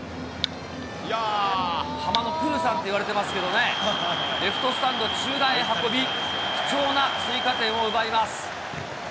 ハマのプーさんといわれてますけどね、レフトスタンド中段へ運び、貴重な追加点を奪います。